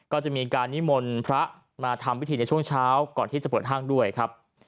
ก็จะมีการนิมนต์พระมาทำพิธีในช่วงเช้าก่อนที่จะเปิดห้างด้วยครับ